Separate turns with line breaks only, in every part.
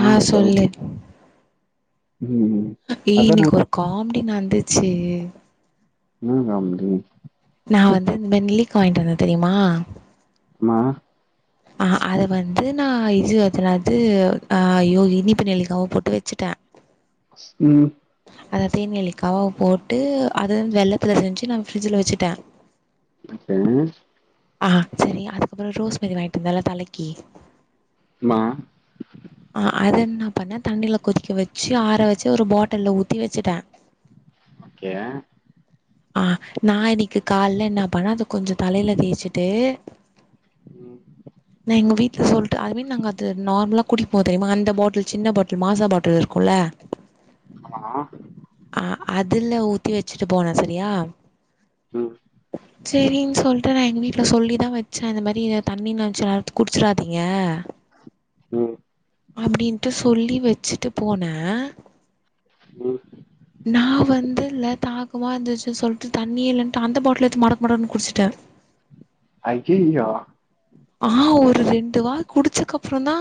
ஆ சொல்லு
ம்
ஏ
அதா
இன்னைக்கு ஒரு காம் டி நடந்துச்சு
என்னா காம்டி
நா வந்து இந்த மேரி நெல்லிகா வாங்ட்டு வந்தே தெரிமா
ஆமா
அ அத வந்து நா இது அது என்னாது ஐயோ இனிப்பு நெலிக்காவா போட்டு வச்சுட்டே [inaudible]
ம்
அத தேன் நெல்லிக்காவா போட்டு அத வெள்ளத்துல செஞ்சு நா ஃப்ரிட்ஜில வச்சுட்டே [inaudible]
ஓகே
ஆ செரி அதுக்கப்றோ ரோஸ் மெரி வாங்கிட்டு வந்தேன்ல தலைக்கி
மா
[inaudible] ஆ அது என்ன பண்ணே தண்ணில கொதிக்க வச்சு ஆற வச்சு ஒரு பாட்டில்ல ஊத்தி வச்சுட்டே
ஓகே
ஆ நா இன்னைக்கு கால்லே என்ன பண்ணேன் அத கொஞ்சோ தலைல தேச்சிட்டு
ம்
நா எங்க வீட்ல சொல்லிட்டு ஐ மீன் நாங்க அது நார்மலா குடிப்போ தெரிமா அந்த பாட்டுல் சின்ன பாட்டுல் மாசா பாட்டுல் இருக்குல
ஆமா
அ அதுல்ல ஊத்தி வச்சுட்டு போனே சரியா
ம்ம்
சரின்னு சொல்ட்டு நா எங்க வீட்ல சொல்லிதா வச்சே இந்த மாதிரி தண்ணின சேத் குடிச்சிடாதீங்க
ம்
அப்படின்ட்டு சொல்லி வச்சு வச்சிட்டு போன
ம்
நா வந்து இல்ல தாகமா இருந்துச்சு சொல்ட்டு தண்ணி இல்லன்ட்டு அந்த பாட்டில்ல எடுத்து மடக்கு மடக்குன்னு குடிச்சுட்டே
ஐயையோ
ஆ ஒரு ரெண்டு வா குடிச்சக்கப்பறோதா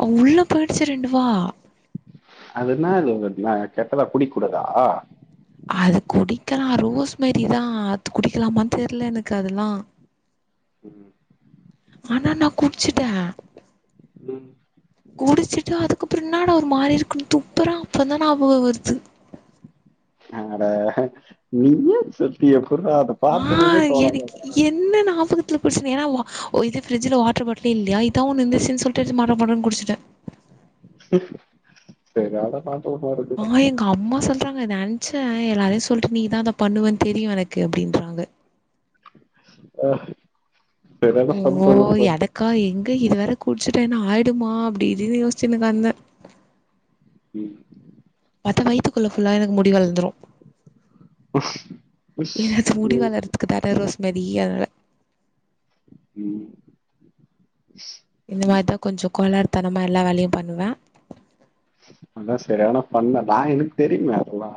அவ உள்ள போயிடுச்சு ரெண்டு வா
அது என்னாது அது கெட்டதா குடிக் கூடாதா
அது குடிக்கலா ரோஸ் மெரிதா அது குடிக்கலாமா தெரில எனக்கு அதெல்லா
ம்
ஆனா நான் குடிச்சுட்ட
ம்
குடிச்சுட்டு அது அதுக்கப்றோ என்னாட ஒரு மாரி இருக்கு துப்புற அப்றோதா ஞாபக வருது
அட நீயே சொல்ட்டு எப்புட்றா அதப்
ஆ எனக்கு என்ன ஞாபகத்துல குடிச்ச ஏன்னா இது ஃப்ரி்ஜ்ல வாட்டர் பாட்டலே இல்லயா இதா ஒன்னு இருந்துச்சு சொல்ட்டு மட மடன் குடிச்சுட்ட
தெரியாதா பா
ஆ என் அம்மா சொல்றாங்க நென்ச்சே எல்லாரையு சொல்ட்டு நீதா அத பண்ணுவன் தெரியு எனக்கு அப்படின்றாங்க
ஆஹ்
ஓ எதக்கா எங்க இது வேற குடிச்சுட்ட என்னா ஆயிடுமா அப்படின் யோசிச்சுனுதா இருந்த
ம்
பத்த வய்த்துக்குள்ள ஃபுல்லா எனக்கு முடி வளந்துரு
உஷ்
எனது முடி
ம்
வளர அதுக்கு தான ரோஸ் மேரி
ம்
இந்த மாரிதா கொஞ்சோ கோளாறு தனமா எல்லா வேலயு பண்ணுவ
அதா சரியான ஃபன் நா எனக்கு தெரியுமே அதெல்லா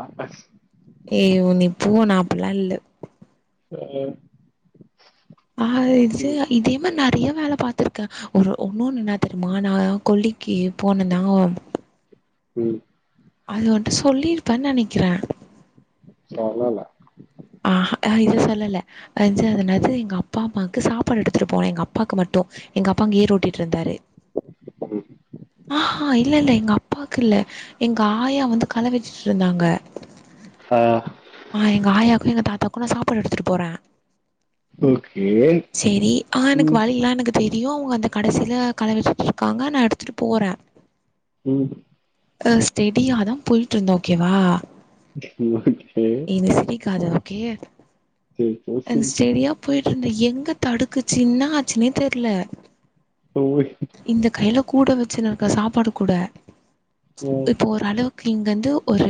ஏய் நீ போ நா அப்பில்லா இல்ல
[inaudible]
ஆ இது
ம்
இதே மாரி நெறைய வேல பாத்திருக்கே ஒரு ஒன்னொன்னு என்னா தெரியுமா நா கொல்லிக்கு போனனா
ம்
அது ஒன்ட்ட சொல்லிருப்ப நெனைக்கிற
சொல்லல
ஆ இத சொல்லல [unintelligible] எங்க அப்பா அம்மாக்கு சாப்பாடு எடுத்துட்டு போன எங்க அப்பாக்கு மட்டு எங்க அப்பா அங்க ஏர் ஓட்டிட்டு இருந்தாரு
ம்
ஆ ஹ இல்ல இல்ல எங்க அப்பாக்கு இல்ல எங்க ஆயா வந்து கள வச்சுட் இருந்தாங்க
ஹ
ஆ எங்க ஆயாக்கு எங்க தாத்தாக்கு நா சாப்பாடு எடுத்துட்டு போற
ஓகே
செரி ஆ எனக்கு
ம்
வழில்லா எனக்கு தெரியு அவங்க அந்த கடைசில களைவச்சுட்டு இருக்காங்க நா எடுத்துட்டு போற
ம்
அ ஸ்டடியாதா போய்ட்ருந்த ஓகேவா
ஓ கே
ஏ நீ சிரிக்காத ஓகே
சரி சரி
அந்த
சரி
ஸ்டடியா போய்ட்டு இருந்த எங்க தடுக்குச்சு என்னாச்சுனே தெர்ல
ஓய்
இந்த கைல கூட வச்சுன் இருக்க சாப்பாடு கூட இப்போ ஓரளவுக்கு இங்கருந்து ஒரு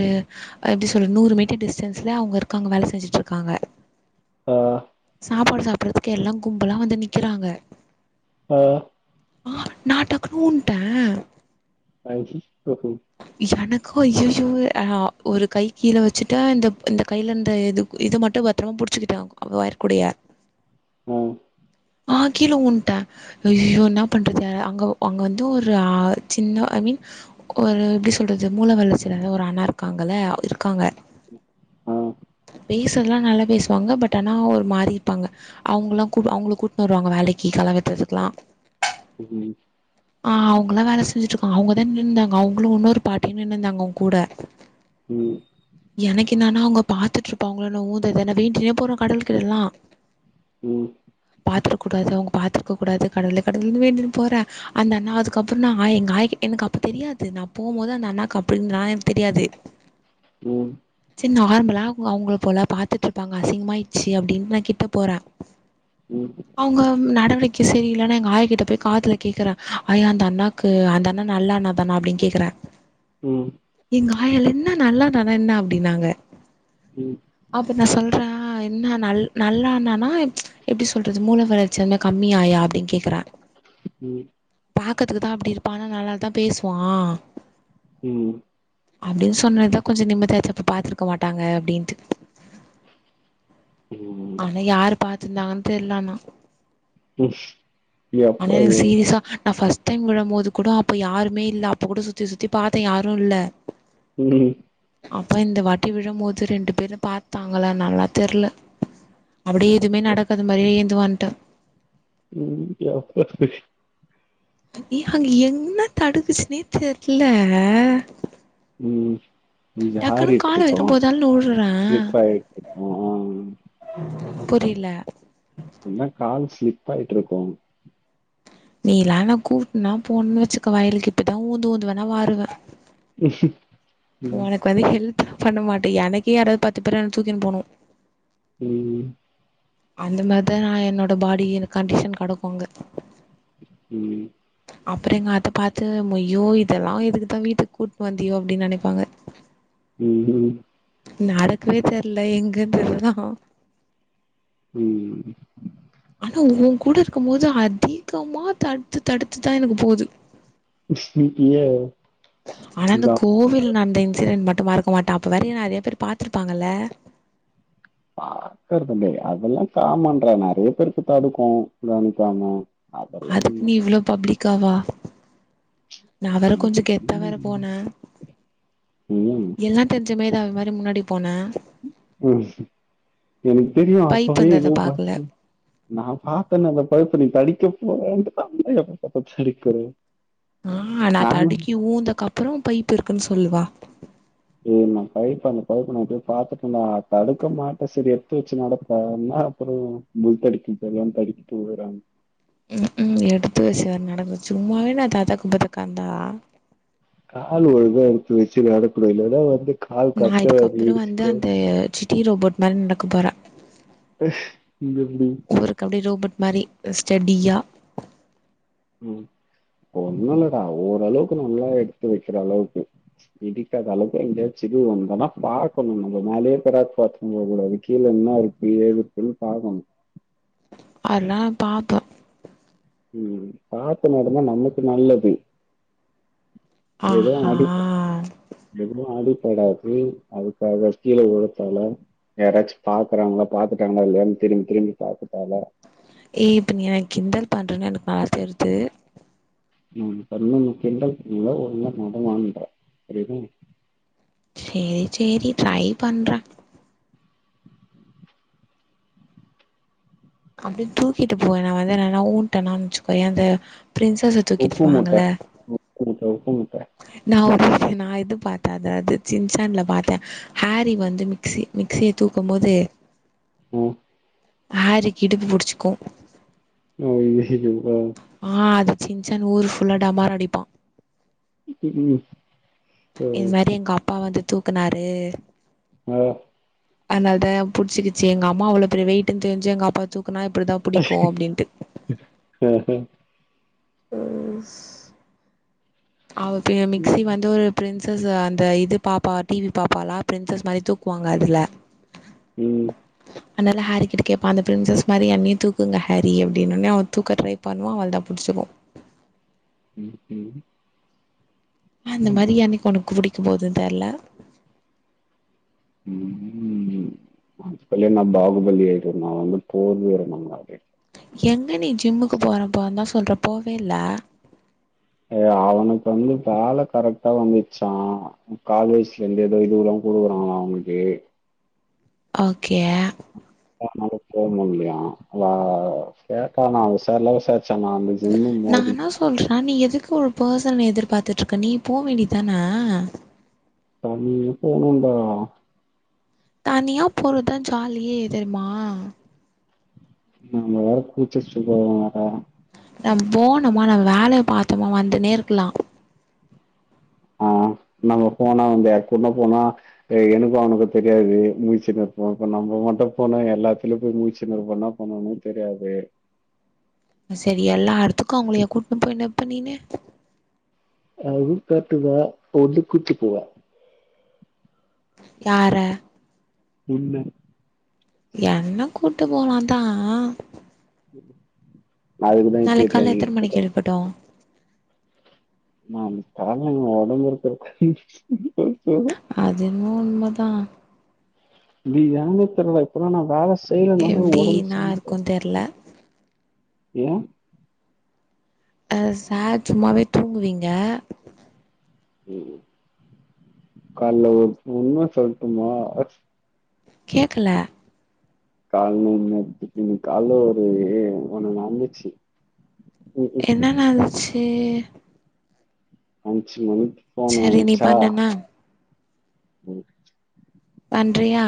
எப்டி சொல்றது நூறு மீட்டர் டிஸ்டன்ஸ்ல அவங்க இருக்காங்க வேல செஞ்சுட்ருக்காங்க
ஆ
சாப்பாடு சாப்பிறதுக்கு எல்லா கும்பலா வந்து நிக்கறாங்க
அ
ஆ டக்குனு வுன்ட்டே
[unintelligible]
எனக்கு ஐயையோ அ ஒரு கை கீழ வச்சுட்டா இந்தப் இந்த கைலந்த இதுப் இத மட்டு பத்ரமா புடிச்சுக்கிட்டா அவங்க வயர் கூடைய
அ
ஆ கீழவுண்ட்ட ஐய்யோ என்னாப் பண்றதே அங்க ஒ அங்க வந்து ஒரு ஆ சின்ன ஐ மீன் ஒரு எப்டி சொல்றது மூள வளர்ச்சியில்லதா ஒரு அண்ணா இருக்காங்கல இருக்காங்க
ஆ
பேசறதலா நல்லா பேசுவாங்க பட் ஆனா ஒரு மாரி இப்பாங்க அவுங்களா கூப் அவுங்கள கூட்னு வருவாங்க வேலைக்கி கள வெட்றதுக்லா
ம்
ஆ அவுங்களா வேல செஞ்சுட்ருக்காங்க அவுங்கதா நின்ந்தாங் அவுங்ளு வுன்னொரு பாட்டியு நின்னுதாங்க அவுங் கூட
ம்
எனக்கு என்னானா அவுங்க பாத்துட்ருப்பாங்ளோ நா ஊதத நா வேண்டினே போறே கடவுள் கிடலா
ம்
பாத்தரக்கூடாது அவுங்க பாத்துருக்கக்கூடாது கடவுளே கவுளேன் வேண்டினு போறே அந்த அண்ணா அதுக்கப்ற நா ஆயா எங்காயா கி எனக்கு அப்ப தெரியாது து நா போம்போது அந்த அண்ணாக்கு அப்டினு நா என்க் தெரியாது
ம்
சே நார்மலா அவுங் அவுங்குள் போல பாத்துட்ருப்பாங்க அசிங்மாயிட்ச்சி அப்டின் நா கிட்ட போறே
ம்
அவுங்க ம் நடவடிக்க சரியில்லனு எங்க ஆயா கிட்ட போய் காதுல கேக்கறே ஆயா அந்த அண்ணாக்கு அந்த அண்ணா நல்ல அண்ணா தானா அப்டின் கேக்கறே
ம்
எங்க ஆயால என்ன நல்ல அண்ணானா என்ன அப்டினாங்க
ம்
அப்ப நா சொல்றே என்ன நல் நல்ல அண்ணானா இப் எப்டி சொல்றது மூள வளர்ச்சி அந் மே கம்மியாயா அப்டின் கேக்கறே
ம்
பாக்கதுக்குதா அப்டி இருப்பா ஆனா நல்லதா பேசுவா
ம்
அப்டின் சொன்னதா கொஞ்ச நிம்மதியாச்சி அப்ப பாத்துருக்க மாட்டாங்க அப்டின்ட்டு
ம்
ஆனா யாரு பாத்திந்தாங்கன் தெர்ல ஆனா
ம்
ஆனா எனக்கு
எப்பவே
சீரீசா நா ஃபஸ் தைம் விழபோது கூட அப்ப யாருமே இல்ல அப்ப கூட சுத்தி சுத்தி பாத்தே யாரு இல்ல
ம்
அப்பா இந்த வாட்டி விழும்போது ரெண்டு பேரு பாத்தாங்களா நல்லா தெர்ல அப்டியே எதுமே நடக்காது மாரி ஏந்து வன்ட்ட
ம் எஃபர்ட் பிஷ்
ஏ அங்க என்ன தடுத்துச்னே தெர்ல
ம்
டக்குன்னு கால
ஜாரிட்ருக்கோ
வெறு போதால்னு உழுறே
சிலிப்பாய்ட்ருக்கோ
புரில
இன்னா கால் ஸ்லிப் ஆயிட்ருக்கு
நீலா என கூட்டுன்னா போணுன்னு வச்சுக்க வயலுக்கு இப்பிதா ஊந்து ஊந்து வேணா வாருவே
ம்ம்
ஒனக்கு வந்து ஹெல்ப்லா பண்ண மாட்டே எனக்கே யாராது பத்து பேர் தூக்கின் போணு
ம் ம்
அந்த மாரிதா நா என்னோட பாடி என் கண்டிஷன் கெடக்கு அங்க
ம்
அப்றோ எங்க அத்த பாத்து மொய்யோ இதெல்லா எதுக்குதா வீட்டுக் கூட்னு வந்தியோ அப்டின் நெனைப்பாங்க
ம் ஹும்
நடக்கவே தெர்ல எங்கருந் இதெல்லா
ம்
ஆனா ஓ கூட இருக்கும் போது அதிகமா தடுத்து தடுத்துதா எனக்கு போது
இன்னைக்கிய
ஆனா இந்த
நான்
கோவில் நந்த இன்சிடென்ட் மட் டு மறக்க மாட்ட அப்ப வேற என் நறைய பேர் பாத்திருப்பாங்கல்ல
பாத்துக்க முடியாது அதெல்லா காமண்றே நறைய பேருக்கு தடுக்கு கவனிக்காம அதெல்லாம் ஒண்ணும்
அதுக்னு
இல்ல.
இவ்ளோ பப்ளிக்காவா நா வேற கொஞ்சோ
நமக்கு
கெத்தா வேற போன
ம். ம்.
எல்லா தெரிஞ்ச மேதாவி மாரி முன்னாடி போன
ம் எனக்கு தெரியு
பைப்
அப்பவே
இருந்தத
எதோ பாத்
பாக்கல
[inaudible] நா பாத்தனே அந்த பைப்பு நீ தடிக்க போறன்ட்டுதா அப்ப [inaudible] [inaudible]
ஆ நா தடுக்கி ஊந்தக்கப்பறோ பைப்பு இருக்குன் சொல்லு வா
ஏ நா பைப்பு அந்த பைப்பு நா அப்பே பாத்துட்டே தா தடுக்க மாட்ட சரி எத்து வச்சு நடப்ப தா அப்றோ முல்தடிக்கிட்டு எல்லா தடுக்கிட்டு உழுறானு
ம் கும் எடுத்து வச்சி வேற நடந்து சும்மாவே நா ததக்புதக்கா தா
காலு ஒரு இதா எடுத்து வச்சு நடக்குனு இல்லனா வந்து கால்
நா
கட்ட வாங்கி
இதுக்கப்றோ வந்து
இடிச்சுக்கும்
அந்த சிட்டி ரோபோட் மாரி நடக்க போறே
எப்டி
ஊருக் அப்டே ரோபர்ட் மாரி ஸ்டெடியா
ம் ஒன்னு இல்லடா ஓரளவுக்கு நல்லா எடுத்து வைக்கிற அளவுக்கு இடிக்காத அளவுக்கு எங்கயாச்சு [inaudible] வந்தன்னா பாக்கணு நம்ம மேலயே பெராக் பாத்துட் போகூடாது கீழ என்னா இருக் ஏது இருக்குனு பாக்கணு
அதுல்லா பாப்பே
ம் பாத்து நடந்தா நமக்கு நல்லது எது
ஆஹா
அடிக்க எதுவு அடிபடாது அதுக்காக கீழ உழ தேவல யாராச்சு பாக்குறாங்ளா பாத்துட்டாங்ளா இல்லயானு திரும்பி திரும்பி பாக்க தேவல
ஏய் இப்ப நீ என்ன கிண்டல் பண்ணுறன்னு எனக்கு நல்லா தெருது
நா உன்ன இப்ப ஒன்னு கிண்டல் பண்ல ஒழுங்கா நட டான்ற [inaudible]
சேரி சேரி ட்ரை பண்றே அப்டே தூக்கிட்டு போ என்ன வந்து நா என்னா ஊன்டன்னா வச்சிக்கோயே அந்த பிரின்ஸச தூக்கிட்டு போவாங்கள
[inaudible] பண்ணிட்ட
நா ஒரு இது நா இது பாத்தே அத அது சின்சான்ல பாத்தே ஹேரி வந்து மிக்சி மிக்சிய தூக்கம்போது
ஆ
ஹேரிக்கு இடுப்பு புடிச்சிக்கு
[inaudible] ஆ
ஆ அத சின்சான் ஊரு ஃபுல்லா டமாரோ அடிப்பா
ம்
இதுமாரி எங்க அப்பா வந்து தூக்குனாரு
ஆ
அதனால தா புடிச்சிகிச்சி எங்க அம்மா அவ்ளோ பெரிய வெயிட்ன்னு தெரிஞ்சே எங்க அப்பா தூக்குனா இப்டிதா புடிக்கு அப்டின்ட்டு
ம் ஆங் ம்
ஒங்ஸ் அவ பெரிய மிக்ஸி
ம்.
வந்து ஒரு பிரின்சஸ் அந்த இது பாப்பா டிவி பாப்பாலா ப்ரின்சஸ் மாரி தூக்குவாங்க அதுல
ம்
அதனால ஹாரிகிட்ட கேப்பா அந்த பிரின்சஸ் மாரி என்னயு தூக்குங்க ஹாரி அப்டின்ன ஒண்ணே அவ தூக்க ட்ரை பண்ணுவா அவளதா பிடிச்சிக்கு
ம் ம்
அந்த மாரி என்னக்கி ஒனக்கு புடிக்கு போதுன்னு தெர்ல
ம் அப்பெல்ல நா பாகுபலி ஆயிடுவே நா வந்து போர்வீரன மாரி
எங்க நீ ஜிம்முக்கு போறே போறேந்தா சொல்ற போவே இல்ல
ஏ அவனுக்கு வந்து வேல கரெக்டா வந்துச்சா காலேஜ்ல இருந்து ஏதோ இதுரா கூடுக்குறாங்களா அவனுக்கு
ஓகே
அதனால போமுடிலயா இல்லையா கேட்டா நா அவங்க சர்ல விசார்ச்சே நா வந்து
நானா சொல்றா நீ எதுக்கு ஒரு பர்சன எதிர்பாத்துட்ருக்க நீ போ வேண்டிதான
தண்ணி ஊத்தணுண்டா
தனியா போறதுதா‌ ஜாலியே தெரிமா
நாம வேற கூச்ச சூபாவோ வேற
நம்ம போனமா நம்ம வேலைய பாத்தமா வந்துன்னே இருக்கலா
ஆ நம்ம பேனா வந்து சின்ன பேனா ஏ எனக்கு அவனுக்கு தெரியாது முழிச்சின்னு இருப்போ இப்ப நம்ம மட்டு போனா எல்லாத்திலயு பொய் முழிச்சின்னு இருபோ என்ன பண்ணனு தெரியாது
செரி எல்லா எடத்துக்கு அவுங்களயா கூட்டின்னு பொய்ன்னு இருப்ப நீனு
அதுவு கரெக்ட் தா வந்து கூட்டு போவா
யார
உன்ன
என்ன கூட்டு போலாந்தா
நா எதுனா இத்து கட்ர நீ கத்துக்கோ
பட்டாவு
யம்மா நீ கெளம்பும்மா ஒடஞ்சிருக்கு என்னது
அது என்னவோ உண்ம தா
இது ஏன்னே தெர்ல இப்பல்லா நா வேல செய்யலனாலே ஒடம்பு
எப்டின்னா
செமையா
இருக்குன்னு தெர்ல
ஏ
அ சார் சும்மாவே தூங்குவீங்க
ம் கால்ல ஒரு உண்ம சொல்ட்டுமா அச்
கேக்கல
கால்ல என்னாத்துக்கு நீ கால்ல ஒரு ஒன்னு நடந்துச்சி
என்ன நடந்துச்சீ
அஞ்ச் மணிக்
சரி நீ பண்ணுன்ன
ம்ச்
பண்றியா